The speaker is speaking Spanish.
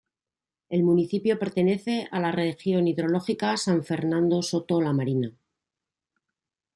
El municipio pertenece a la región hidrológica San Fernando-Soto la Marina.